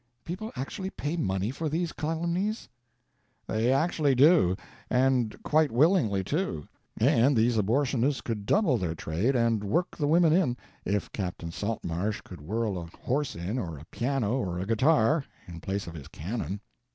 "People actually pay money for these calumnies?" "They actually do—and quite willingly, too. And these abortionists could double their trade and work the women in, if Capt. Saltmarsh could whirl a horse in, or a piano, or a guitar, in place of his cannon.